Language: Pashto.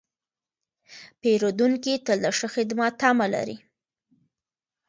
پیرودونکی تل د ښه خدمت تمه لري.